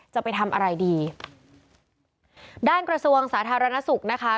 จะไปทำอะไรดีด้านกระทรวงสาธารณสุขนะคะ